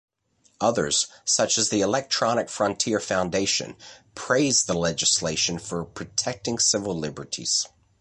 Others, such as the Electronic Frontier Foundation, praised the legislation for protecting civil liberties.